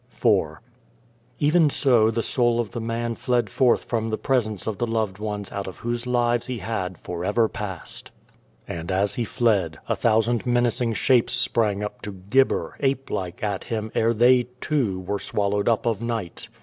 IV EVEN so the soul of the man fled forth from the presence of the loved ones out of whose lives he had for ever passed. And as he fled, a thousand menacing shapes sprang up to gibber, ape like, at him ere they, too, were swallowed up of night.